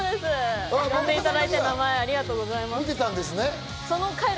覚えていただいて、ありがとうございます。